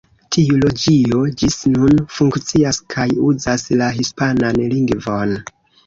Tiu loĝio ĝis nun funkcias kaj uzas la hispanan lingvon.